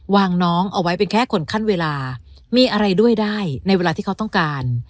น้องเอาไว้เป็นแค่คนขั้นเวลามีอะไรด้วยได้ในเวลาที่เขาต้องการ